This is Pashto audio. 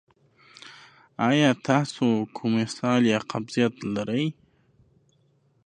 ایا تاسو کوم اسهال یا قبضیت لرئ؟